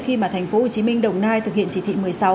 khi mà tp hcm đồng nai thực hiện chỉ thị một mươi sáu